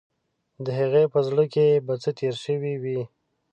د هغې په زړه کې به څه تیر شوي وي.